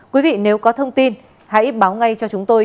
quý vị nếu có thông tin hãy báo ngay cho chúng tôi